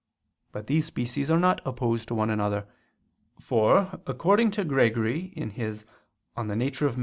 But these species are not opposed to one another. For according to Gregory [*Nemesius, De Nat. Hom.